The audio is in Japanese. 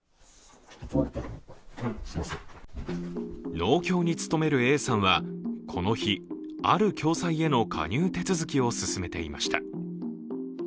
農協に勤めるＡさんはこの日ある共済への加入手続きを進めていました。